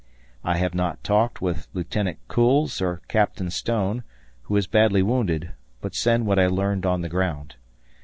I have not talked with Lieutenant Kuhls or Captain Stone, who is badly wounded, but send what I learned on the ground.